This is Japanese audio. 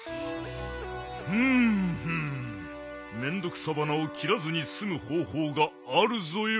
ふむふむメンドクサバナをきらずにすむほうほうがあるぞよ。